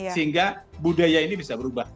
sehingga budaya ini bisa berubah